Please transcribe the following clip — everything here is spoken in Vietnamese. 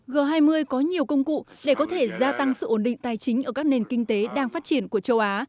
g hai mươi có nhiều công cụ để có thể gia tăng sự ổn định tài chính ở các nền kinh tế đang phát triển của châu á